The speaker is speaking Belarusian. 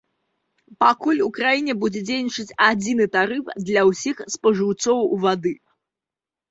Пакуль у краіне будзе дзейнічаць адзіны тарыф для ўсіх спажыўцоў вады.